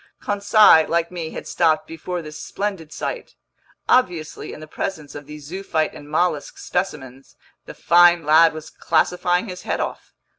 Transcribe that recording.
Conseil, like me, had stopped before this splendid sight. Obviously, in the presence of these zoophyte and mollusk specimens, the fine lad was classifying his head off.